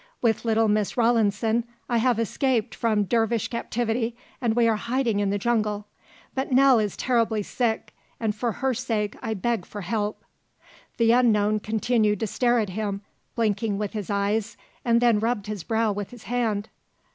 With little Miss Rawlinson I have escaped from dervish captivity and we are hiding in the jungle. But Nell is terribly sick; and for her sake I beg for help." The unknown continued to stare at him, blinking with his eyes, and then rubbed his brow with his hand.